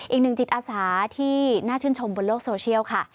อีกหนึ่งจิตอาสาที่น่าชื่นชมบนโลกโซเชียลค่ะ